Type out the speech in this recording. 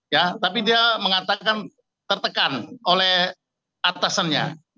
ya tapi dia mengatakan tertekan oleh atasannya